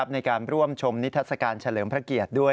ในการร่วมชมนิทัศกาลเฉลิมพระเกียรติด้วย